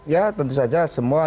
ya tentu saja semua